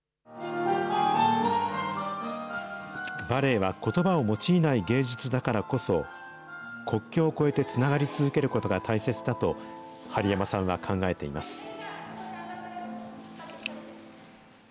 バレエはことばを用いない芸術だからこそ、国境を越えてつながり続けることが大切だと、針山さんは考えています。